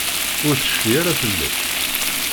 Ur tecfi ara fell-ak.